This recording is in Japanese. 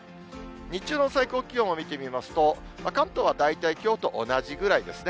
日中の最高気温を見てみますと、関東は大体きょうと同じぐらいですね。